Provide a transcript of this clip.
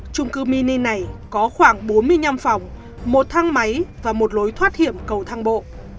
trung cư mini này có khoảng bốn mươi năm phòng một thang máy và một lối thoát hiểm cầu thang bộ